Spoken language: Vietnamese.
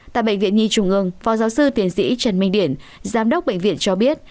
tại bệnh viện nhi trung ương phó giáo sư tiến sĩ trần minh điển giám đốc bệnh viện cho biết